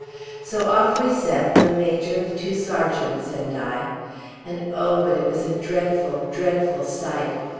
So off we set, the Major, the two sergeants, and I; and oh! but it was a dreadful, dreadful sight!